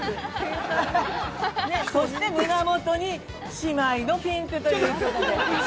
そして胸元に、姉妹のピンクということで。